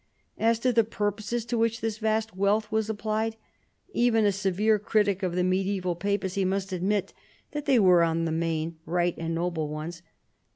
As to the purposes to which this vast wealth was applied, even a severe critic of the mediaeval papacy must admit that they were, in the main, right and noble ones.